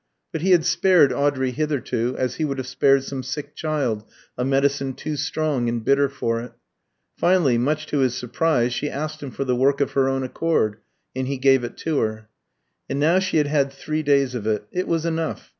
But he had spared Audrey hitherto, as he would have spared some sick child a medicine too strong and bitter for it. Finally, much to his surprise, she asked him for the work of her own accord, and he gave it to her. And now she had had three days of it. It was enough.